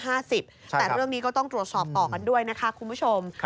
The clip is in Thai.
แต่เรื่องนี้ก็ต้องตรวจสอบต่อกันด้วยนะคะคุณผู้ชม